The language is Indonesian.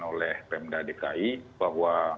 oleh pmd dki bahwa